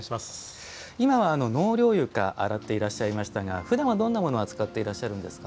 今は納涼床洗っていらっしゃいましたがふだんは、どんなものを扱っているんですか。